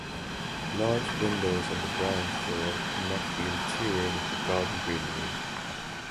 Large windows on the ground floor connect the interior with the garden greenery.